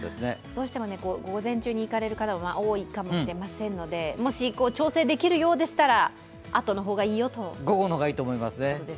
どうしても午前中に行かれる方が多いかもしれませんので、もし調整できるようでしたら、午後の方がいいと思いますね。